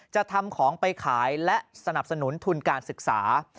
จะทำของไปขายและสนับสนุนทุนการศึกษา